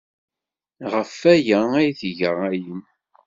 Ɣef waya ay tga ayen.